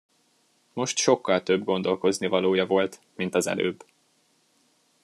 Most sokkal több gondolkoznivalója volt, mint az előbb.